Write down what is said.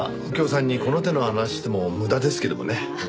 右京さんにこの手の話しても無駄ですけどもね。